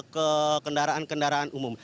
ke kendaraan kendaraan umum